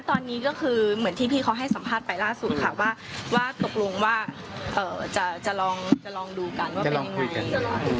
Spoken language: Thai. ตอนนี้ก็คือเหมือนที่พี่เขาให้สัมภาษณ์ไปล่าสุดค่ะว่าตกลงว่าจะลองดูกันว่าเป็นยังไง